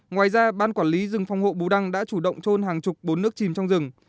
ngoài ra ban quản lý rừng phòng hộ bù đăng đã chủ động trôn hàng chục bốn nước chìm trong rừng